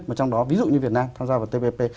mà trong đó ví dụ như việt nam tham gia vào tpp